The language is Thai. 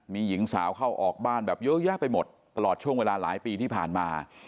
มีหญิงสาวเข้าออกบ้านแบบเยอะแยะไปหมดตลอดช่วงเวลาหลายปีที่ผ่านมา